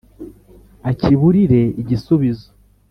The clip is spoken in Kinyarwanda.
akiburire igisubizo